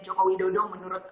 jokowi dodong menurut